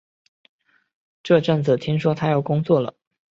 这阵子听说他要工作了